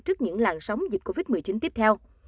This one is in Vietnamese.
trước những làn sóng dịch covid một mươi chín tiếp theo